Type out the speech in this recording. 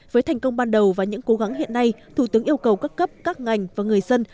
với thành công ban đầu và những cố gắng hiện nay thủ tướng yêu cầu các cấp các ngành và người dân